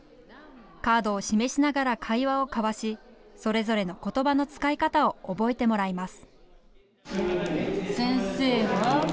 カードを示しながら会話を交わしそれぞれのことばの使い方を覚えてもらいます。